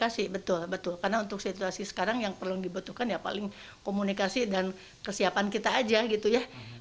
jadi sekarang yang perlu dibutuhkan ya paling komunikasi dan kesiapan kita aja gitu ya